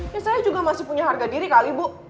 ya saya juga masih punya harga diri kali bu